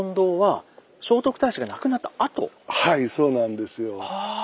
はいそうなんですよ。あぁ。